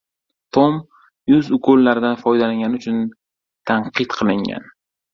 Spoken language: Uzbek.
Tom yuz ukollaridan foydalangani uchun tanqid qilingan